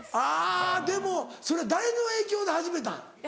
あでもそれ誰の影響で始めたん？